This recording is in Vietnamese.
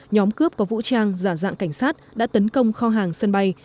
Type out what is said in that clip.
nhóm cướp có vũ trang giả dạng cảnh sát đã tấn công kho hàng sân bay